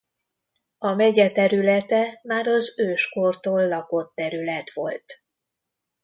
A megye területe már az őskortól lakott terület volt.